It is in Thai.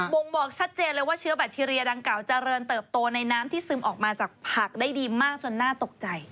่งบอกชัดเจนเลยว่าเชื้อแบคทีเรียดังกล่าเจริญเติบโตในน้ำที่ซึมออกมาจากผักได้ดีมากจนน่าตกใจ